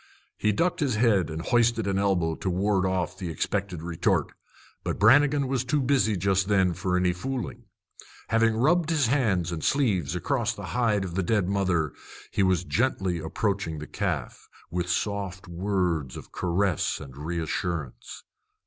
He ducked his head and hoisted an elbow to ward off the expected retort; but Brannigan was too busy just then for any fooling. Having rubbed his hands and sleeves across the hide of the dead mother, he was gently approaching the calf, with soft words of caress and reassurance.